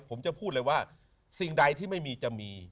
ผมจะพูดเลยว่าสิ่งใดที่ไม่มีจะมี